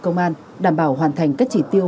công an đảm bảo hoàn thành các trí tiêu